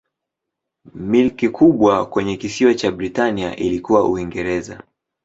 Milki kubwa kwenye kisiwa cha Britania ilikuwa Uingereza.